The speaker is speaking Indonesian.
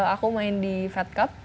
aku main di fed cup